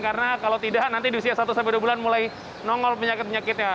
karena kalau tidak nanti di usia satu sampai dua bulan mulai nongol penyakit penyakitnya